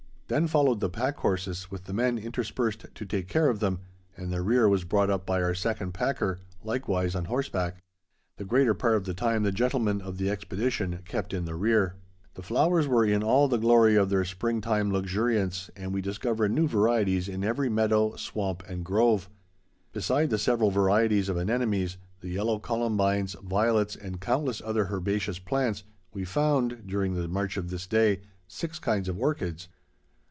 Then followed the pack horses with the men interspersed to take care of them, and the rear was brought up by our second packer, likewise on horseback. The greater part of the time, the gentlemen of the expedition kept in the rear. [Illustration: CALYPSO.] The flowers were in all the glory of their spring time luxuriance, and we discovered new varieties in every meadow, swamp, and grove. Beside the several varieties of anemones, the yellow columbines, violets, and countless other herbaceous plants, we found, during the march of this day, six kinds of orchids.